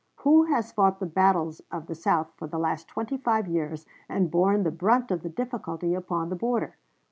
Who has fought the battles of the South for the last twenty five years, and borne the brunt of the difficulty upon the border?